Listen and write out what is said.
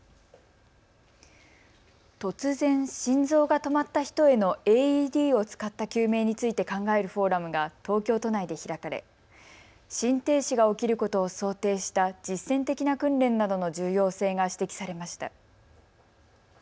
突然、心臓が止まった人へのＡＥＤを使った救命について考えるフォーラムが東京都内で開かれ心停止が起きることを想定した実践的な訓練などの重要性が指摘されました。